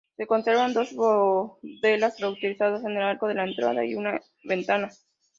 Se conservan las dovelas reutilizadas en el arco de entrada y una ventana.